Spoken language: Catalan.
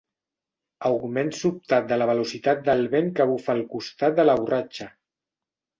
Augment sobtat de la velocitat del vent que bufa al costat de la borratxa.